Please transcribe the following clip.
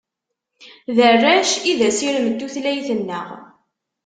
D arrac i d asirem n tutlayt-nneɣ.